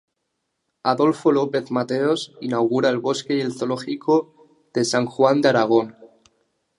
Adolfo López Mateos inaugura el Bosque y el Zoológico de San Juan de Aragón.